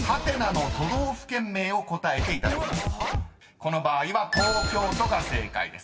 ［この場合は「東京都」が正解です］